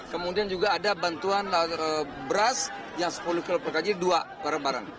kemudian juga ada bantuan beras yang sepuluh kg per kg dua barang barang